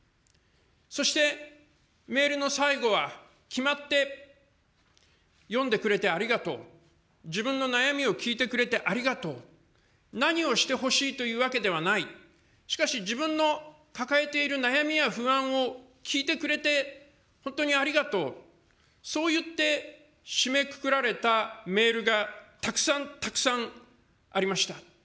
そしてメールの最後は、決まって、読んでくれてありがとう、自分の悩みを聞いてくれてありがとう、何をしてほしいというわけではない、しかし、自分の抱えている悩みや不安を聞いてくれて本当にありがとう、そう言って締めくくられたメールがたくさんたくさんありました。